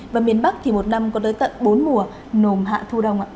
và miền bắc thì một năm có tới tận bốn mùa nồm hạ thu đông ạ